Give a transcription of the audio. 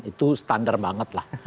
itu standar banget lah